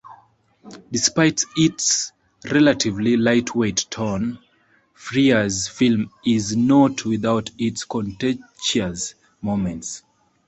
Despite its relatively lightweight tone, Frears' film is not without its contentious moments.